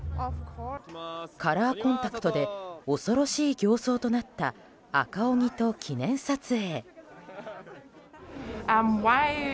カラーコンタクトで恐ろしい形相となった赤鬼と記念撮影。